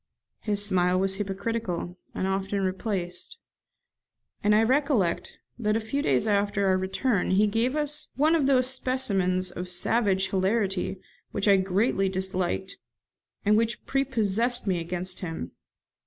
His smile was hypocritical, and often misplaced; and I recollect that a few days after our return he gave us one of these specimens of savage hilarity which I greatly disliked, and which prepossessed me against him.